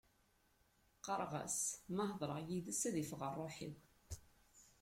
Qqareɣ-as ma hedreɣ yid-s ad yeffeɣ rruḥ-iw.